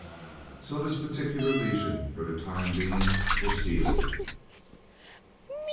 So this particular lesion for the time being was healed.